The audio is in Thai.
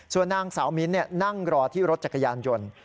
ส่วนนางสาวมิ้นนั่งรอที่รถจักรยานยนต์